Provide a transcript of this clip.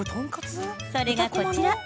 それがこちら。